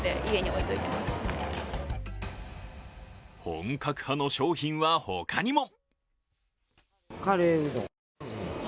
本格派の商品は他にも。